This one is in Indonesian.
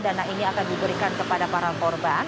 dana ini akan diberikan kepada para korban